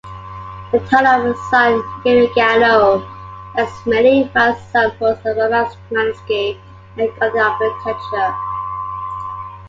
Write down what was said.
The town of San Gimignano has many fine examples of Romanesque and Gothic architecture.